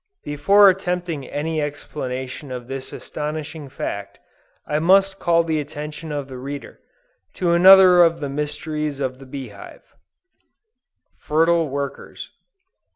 Before attempting any explanation of this astonishing fact, I must call the attention of the reader, to another of the mysteries of the Bee Hive, FERTILE WORKERS.